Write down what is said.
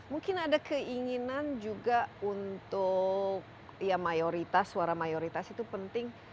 mungkin ada keinginan juga untuk ya mayoritas suara mayoritas itu penting